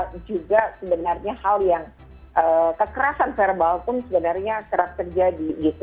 tapi juga sebenarnya hal yang kekerasan verbal pun sebenarnya kerap terjadi gitu